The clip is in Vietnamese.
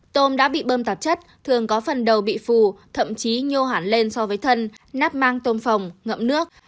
tôm đã bị bơm tạp chất thường có phần đầu bị phù thậm chí nhô hẳn lên so với thân nắp mang tôm phòng ngậm nước